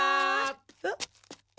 えっ？